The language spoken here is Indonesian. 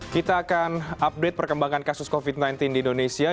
kita akan update perkembangan kasus covid sembilan belas di indonesia